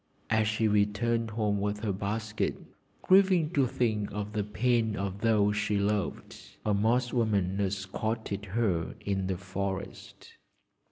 As she returned home with her basket, grieving to think of the pain of those she loved, a Moss woman accosted her in the forest.